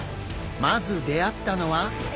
まず出会ったのは。